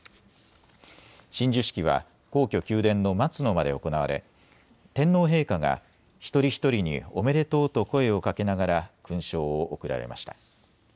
親授式は皇居・宮殿の松の間で行われ天皇陛下が一人一人におめでとうと声をかけながら勲章を贈られました。